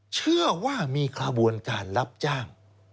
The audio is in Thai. เชื่อว่ามีขบวนการรับจ้าง